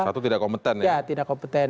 satu tidak kompeten ya